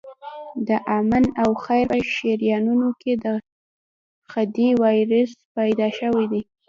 د آمن او خیر په شریانونو کې د خدۍ وایروس پیدا شوی دی.